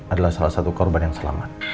adalah salah satu korban yang selamat